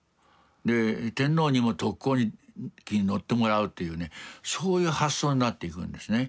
で天皇にも特攻機に乗ってもらうというねそういう発想になっていくんですね。